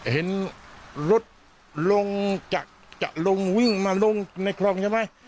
ตอนรถลงจากวึงมาลงในครองใช่ไหม